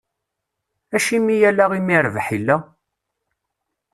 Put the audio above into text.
Acimi ala imi rrbeḥ illa?